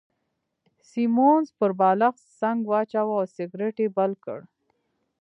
سیمونز پر بالښت څنګ واچاوه او سګرېټ يې بل کړ.